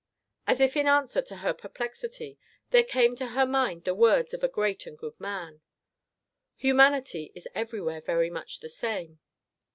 As if in answer to her perplexity, there came to her mind the words of a great and good man: "Humanity is everywhere very much the same."